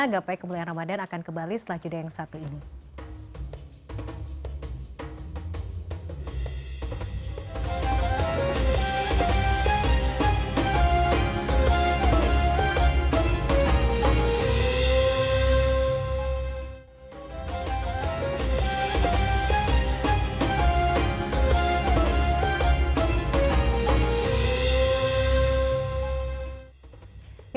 gapai kemuliaan ramadhan akan kembali setelah jadilah yang satu ini